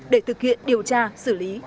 để thực hiện điều tra xử lý theo thẩm quyền